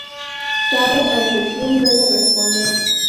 sabe ante quién debe responder